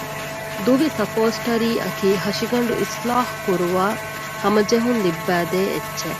ދުވި ސަޕޯސްޓަރީއަކީ ހަށިގަނޑު އިޞްލާޙުކުރުވައި ހަމަޖެހުން ލިއްބައިދޭ އެއްޗެއް